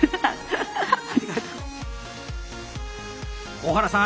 小原さん